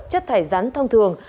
chất thải rắn thông thường